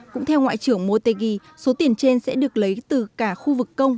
cũng theo ngoại trưởng motegi số tiền trên sẽ được lấy từ cả khu vực công